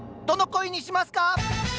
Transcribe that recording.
どの恋にしますか？